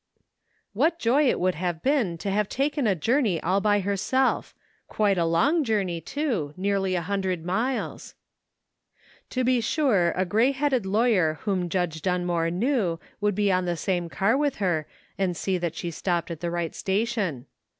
What joy it would have been to have taken a journey all by herself — quite a long journey too, nearly a hundred miles. To be sure a gray headed lawyer whom Judge Dunmore knew would be on the same car with her, and see that she stopped at the right sta tion.